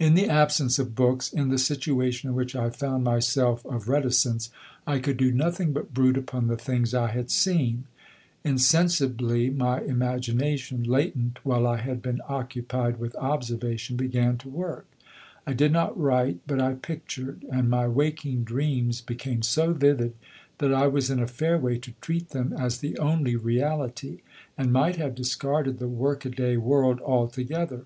In the absence of books, in the situation in which I found myself of reticence, I could do nothing but brood upon the things I had seen. Insensibly my imagination (latent while I had been occupied with observation) began to work. I did not write, but I pictured, and my waking dreams became so vivid that I was in a fair way to treat them as the only reality, and might have discarded the workaday world altogether.